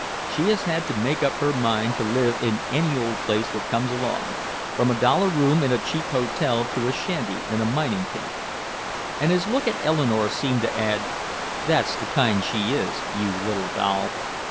She has had to make up her mind to live in any old place that comes along, from a dollar room in a cheap hotel to a shanty in a mining camp." And his look at Eleanore seemed to add, "That's the kind she is, you little doll."